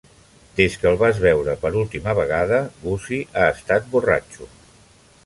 Des que el vas veure per última vegada, Gussie ha estat borratxo.